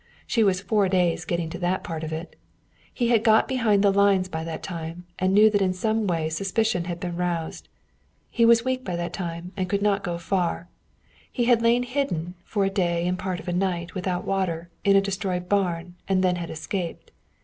She was four days getting to that part of it. He had got behind the lines by that time, and he knew that in some way suspicion had been roused. He was weak by that time, and could not go far. He had lain hidden, for a day and part of a night, without water, in a destroyed barn, and then had escaped.